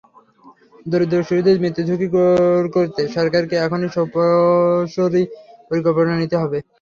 দরিদ্র শিশুদের মৃত্যুঝুঁকি দূর করতে সরকারকে এখনই সুদূরপ্রসারী পরিকল্পনা নিতে হবে।